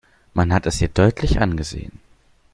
Man hat es ihr deutlich angesehen.